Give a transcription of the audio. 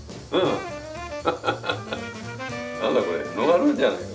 何だこれノンアルじゃないか。